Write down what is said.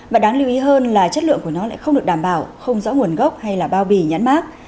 và đáng lưu ý hơn là chất lượng của nó lại không được đảm bảo không rõ nguồn gốc hay là bao bì nhãn mát